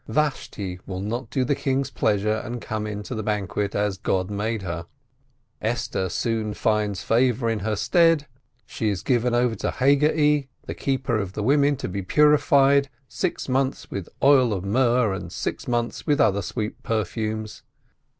Vashti will not do the king's pleasure and come in to the banquet as God made her. Esther soon finds favor in her stead, she is given over to Hegai, the keeper of the women, to be purified, six months with oil of myrrh and six months with other sweet perfumes.